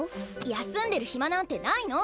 休んでる暇なんてないの！